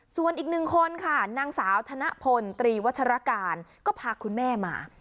ส่วนอีกหนึ่งคนค่ะนางสาวธนพลตรีวัชรการก็พาคุณแม่มา